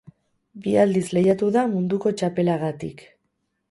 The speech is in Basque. Bi aldiz lehiatu da munduko txapelagaitik.